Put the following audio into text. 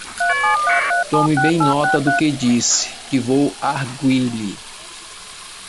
Tome bem nota do que disse, que vou argüir-lhe.